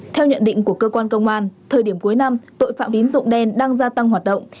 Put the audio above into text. theo nhận định của cơ quan công an thời điểm cuối năm tội phạm tín dụng đen đang gia tăng hoạt động